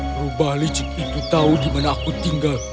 berubah licik itu tahu di mana aku tinggal